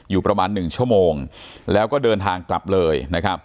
อยู่ประมาณ๑๐๐๐ชั่วโมงแล้วก็เดินทางกลับเลย